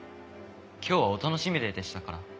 今日はお楽しみデーでしたから。